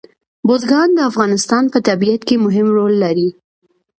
بزګان د افغانستان په طبیعت کې مهم رول لري.